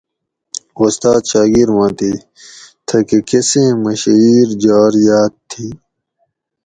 اُستاد شاگیر ما تھی تھہ کہ کۤسیں مشھیر جار یاد تھی؟